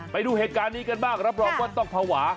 ไปดูเหตุการณ์นี้กันบ้างรับรองว่าต้องภาวะ